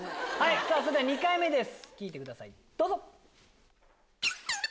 ２回目です聞いてくださいどうぞ！